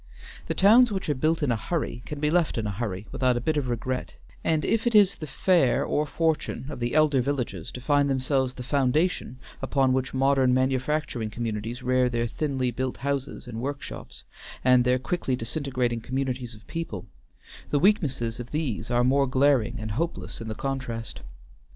The towns which are built in a hurry can be left in a hurry without a bit of regret, and if it is the fate or fortune of the elder villages to find themselves the foundation upon which modern manufacturing communities rear their thinly built houses and workshops, and their quickly disintegrating communities of people, the weaknesses of these are more glaring and hopeless in the contrast.